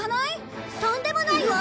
とんでもないわ！